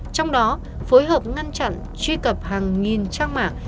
trong đó phối hợp ngăn chặn truy cập hàng nghìn trang mạng